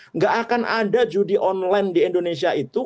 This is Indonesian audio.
nggak akan ada judi online di indonesia itu